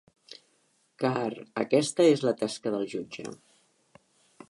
Car aquesta és la tasca del jutge.